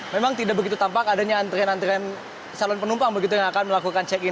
memang tidak begitu tampak adanya antrian antrean calon penumpang begitu yang akan melakukan check in